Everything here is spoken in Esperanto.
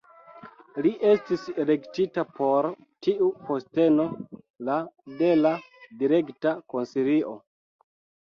Li estis elektita por tiu posteno la de la Direkta Konsilio.